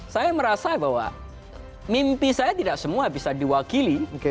saya merasa bahwa mimpi saya tidak semua bisa diwakili